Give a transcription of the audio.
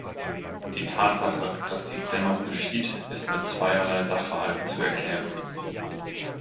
Die Tatsache, dass dies dennoch geschieht, ist mit zweierlei Sachverhalten zu erklären.